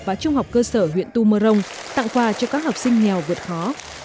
và trung học cơ sở huyện tu mơ rông tặng quà cho các học sinh nghèo vượt khó